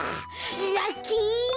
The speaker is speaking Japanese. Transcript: ラッキー！